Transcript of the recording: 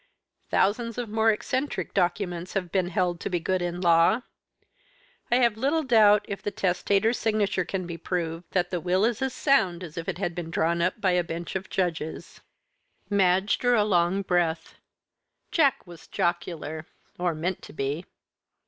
Thousands of more eccentric documents have been held to be good in law. I have little doubt if the testator's signature can be proved that the will is as sound as if it had been drawn up by a bench of judges." Madge drew a long breath. Jack was jocular, or meant to be.